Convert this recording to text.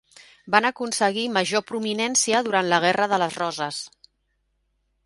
Van aconseguir major prominència durant la guerra de les Roses.